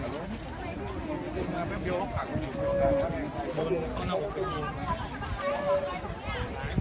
มีผู้ที่ได้รับบาดเจ็บและถูกนำตัวส่งโรงพยาบาลเป็นผู้หญิงวัยกลางคน